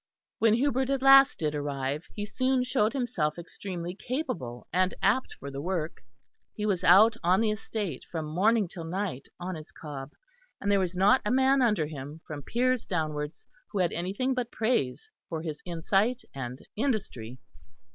When Hubert at last did arrive, he soon showed himself extremely capable and apt for the work. He was out on the estate from morning till night on his cob, and there was not a man under him from Piers downwards who had anything but praise for his insight and industry.